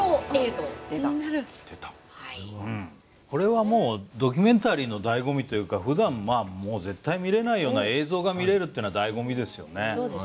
これはもうドキュメンタリーのだいご味というかふだんまあもう絶対見れないような映像が見れるっていうのはだいご味ですよね。